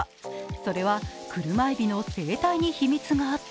それは車えびの生態に秘密があった。